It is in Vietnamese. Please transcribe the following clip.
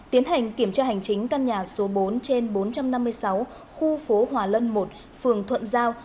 tiến hành kiểm tra hành chính căn nhà số bốn trên bốn trăm năm mươi sáu khu phố hòa lân một phường thuận giao